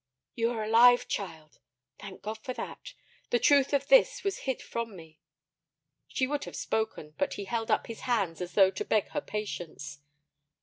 "You are alive, child; thank God for that! The truth of this was hid from me." She would have spoken, but he held up his hands as though to beg her patience.